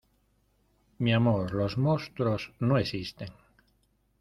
mi amor, los monstruos no existen.